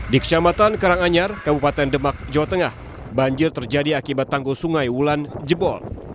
di kecamatan karanganyar kabupaten demak jawa tengah banjir terjadi akibat tanggul sungai wulan jebol